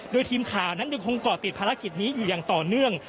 โดยทีมข่าวนั้นยังคงเกาะติดภารกิจนี้อยู่อย่างต่อเนื่อง